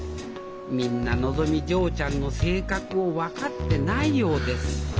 みんなのぞみ嬢ちゃんの性格を分かってないようです